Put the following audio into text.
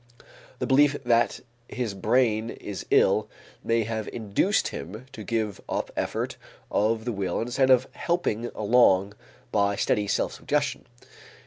The belief that his brain is ill may have induced him to give up effort of the will instead of helping along by steady self suggestion.